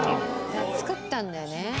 作ったんだよね。